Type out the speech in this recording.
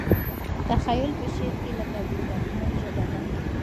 تخیل په شعر کې لکه بې کلیمو ژبه دی.